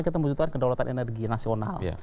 kita membutuhkan kedaulatan energi nasional